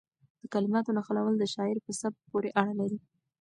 د کلماتو نښلول د شاعر په سبک پورې اړه لري.